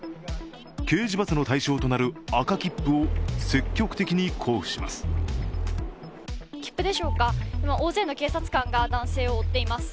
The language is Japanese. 刑事罰の対象となる赤切符を積極的に交付します。